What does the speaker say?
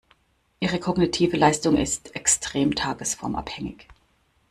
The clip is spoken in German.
Ihre kognitive Leistung ist extrem tagesformabhängig.